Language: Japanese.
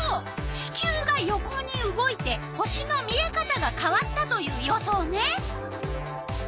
地球が横に動いて星の見えかたがかわったという予想ね。